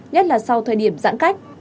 nhất là sau thời điểm giãn cách